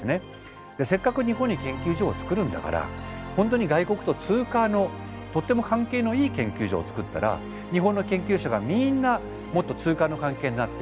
せっかく日本に研究所を作るんだから本当に外国とツーカーのとっても関係のいい研究所を作ったら日本の研究者がみんなもっとツーカーの関係になってみんな得するんだ。